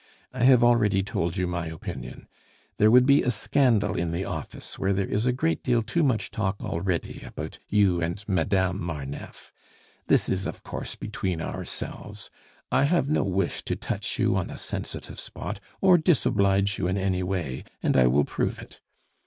I have already told you my opinion. There would be a scandal in the office, where there is a great deal too much talk already about you and Madame Marneffe. This, of course, is between ourselves. I have no wish to touch you on a sensitive spot, or disoblige you in any way, and I will prove it.